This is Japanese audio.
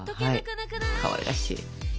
はいかわいらしい。